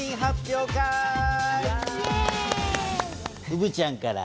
うぶちゃんから。